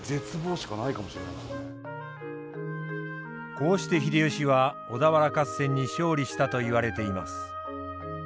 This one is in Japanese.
こうして秀吉は小田原合戦に勝利したといわれています。